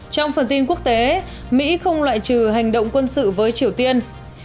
trong phần tin quốc tế mỹ không loại trừ hành động quân sự với triều tiên